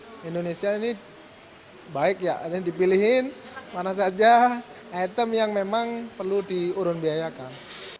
di indonesia ini baik ya dipilihin mana saja item yang memang perlu diurun biayakan